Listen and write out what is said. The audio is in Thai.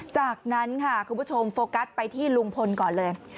จากนั้นค่ะคุณผู้ชมโฟกัสไปที่ลุงพลก่อนเลย